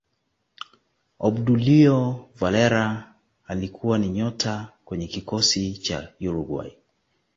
obdulio valera alikuwa ni nyota kwenye kikosi cha Uruguay